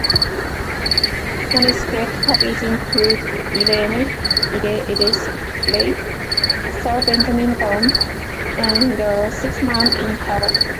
Manuscript copies include "Irene Iddesleigh", "Sir Benjamin Bunn" and "Six Months in Hell".